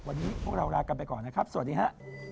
วันนี้พวกเราลากันไปก่อนนะครับสวัสดีครับ